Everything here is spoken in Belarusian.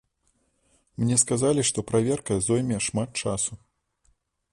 Мне сказалі, што праверка зойме шмат часу.